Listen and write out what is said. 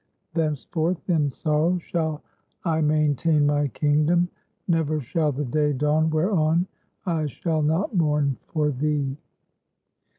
Thenceforth in sorrow shall I maintain my kingdom ; never shall the day dawn whereon I shall not mourn for thee.